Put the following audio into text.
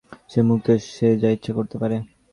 সে মুক্ত, সে যা-ইচ্ছে করতে পারে।